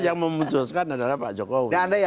yang memutuskan adalah pak jokowi